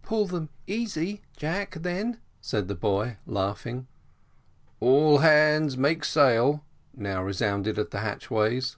"Pull them easy, Jack, then," said the boy, laughing. "All hands make sail!" now resounded at the hatchways.